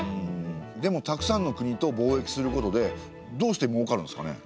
でもたくさんの国と貿易することでどうしてもうかるんですかね。